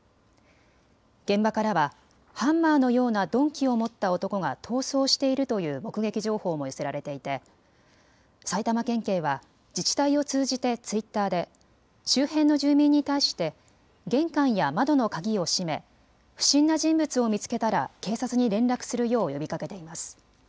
現場からはハンマーのような鈍器を持った男が逃走しているという目撃情報も寄せられていて埼玉県警は自治体を通じてツイッターで周辺の住民に対して玄関や窓の鍵を閉め不審な人物を見つけたら警察に連絡するよう呼びかけています。